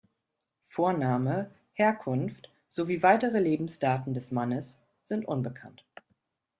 Vorname, Herkunft sowie weitere Lebensdaten des Mannes sind unbekannt.